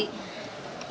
itu tidak terlalu banyak